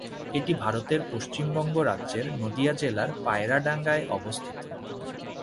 এটি ভারতের পশ্চিমবঙ্গ রাজ্যের নদীয়া জেলার পায়রাডাঙ্গায় অবস্থিত।